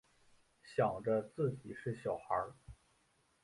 想着自己是小孩